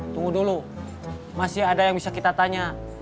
tunggu dulu masih ada yang bisa kita tanya